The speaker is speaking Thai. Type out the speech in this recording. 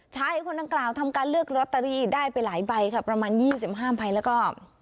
ถ้าคนดังกล่าวทำการเลือกร็อตตรีได้ไปหลายใบครับประมาณ๒๕ไพยแล้วก็